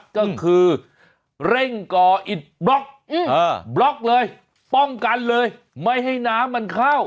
ก็คือเร่งก่ออิดบล็อกบล็อกเลยป้องกันเลยไม่ให้น้ำมันเข้า